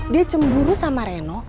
dia cemburu sama reno